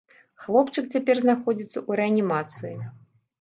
Хлопчык цяпер знаходзіцца ў рэанімацыі.